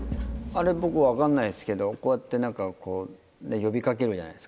あれ僕分かんないんですけどこうやって何か呼び掛けるじゃないですか。